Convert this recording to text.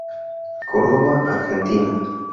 Córdoba, Argentina.